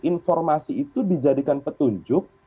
informasi itu dijadikan petunjuk